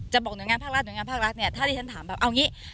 บอกหน่วยงานภาครัฐหน่วยงานภาครัฐเนี่ยถ้าที่ฉันถามแบบเอาอย่างนี้